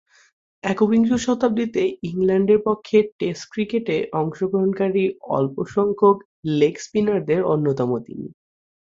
একবিংশ শতাব্দীতে ইংল্যান্ডের পক্ষে টেস্ট ক্রিকেটে অংশগ্রহণকারী স্বল্পসংখ্যক লেগ স্পিনারদের অন্যতম তিনি।